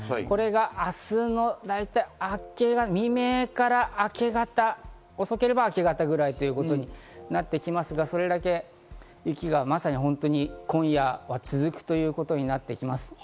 これが明日のだいたい明け方、未明から明け方、遅ければ明け方ということになってきますが、雪が今夜は続くということになってきます。